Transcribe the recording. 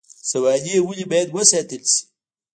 سوانح ولې باید وساتل شي؟